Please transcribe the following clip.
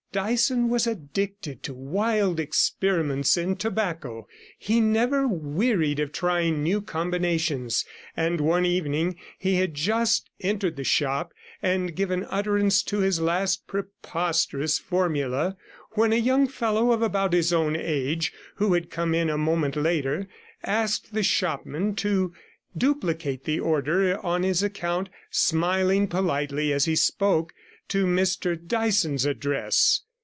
Dyson was addicted to wild experiments in tobacco; he never wearied of trying new combinations; and one evening he had just entered the shop, and given utterance to his last preposterous formula, when a young fellow of about his own age, who had come in a moment later, asked the shopman to duplicate the order on his account, smiling politely, as he spoke, to Mr Dyson's address.